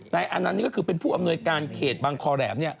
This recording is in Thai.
อันนั้นนี่ก็คือเป็นผู้อำนวยการเขตบางคอแหลม